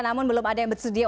namun belum ada yang bersedia